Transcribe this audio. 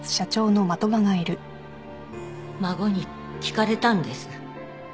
孫に聞かれたんです。